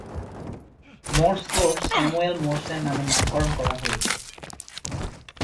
Morse code Samuel Morse এর নামে নামকরণ করা হয়েছে।